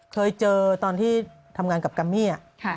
เคยเจอตอนที่ทำงานกับกัมมี่